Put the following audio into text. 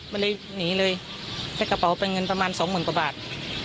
มาเลยหนีเลยเป็นกระเป๋าประเงินประมาณสองหมื่นประบัตร